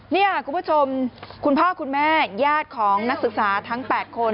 นี่คุณผู้ชมคุณพ่อคุณแม่ญาติของนักศึกษาทั้ง๘คน